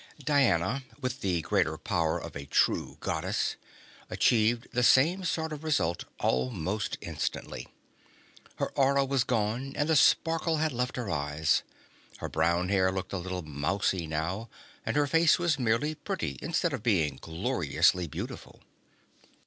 Diana, with the greater power of a true Goddess, achieved the same sort of result almost instantly. Her aura was gone and the sparkle had left her eyes. Her brown hair looked a little mousy now, and her face was merely pretty instead of being gloriously beautiful.